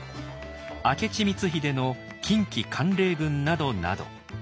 明智光秀の近畿管領軍などなど。